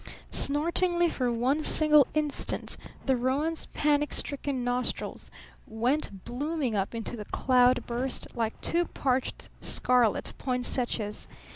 Snortingly for one single instant the roan's panic stricken nostrils went blooming up into the cloud burst like two parched scarlet poinsettias.